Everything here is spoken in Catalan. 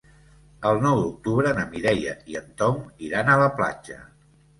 El nou d'octubre na Mireia i en Tom iran a la platja.